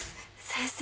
先生